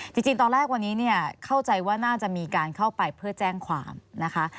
จริงตอนแรกวันนี้เนี่ยเข้าใจว่าน่าจะมีการเข้าไปเพื่อแจ้งความนะคะ